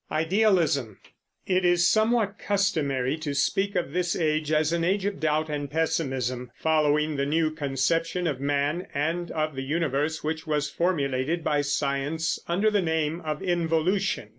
It is somewhat customary to speak of this age as an age of doubt and pessimism, following the new conception of man and of the universe which was formulated by science under the name of involution.